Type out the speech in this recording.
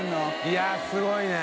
いやすごいね。